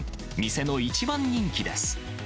店の一番人気です。